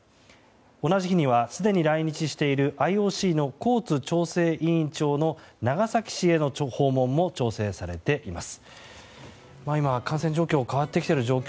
同じ日には、すでに来日しているＩＯＣのコーツ調整委員長の長崎市への訪問も調整されています。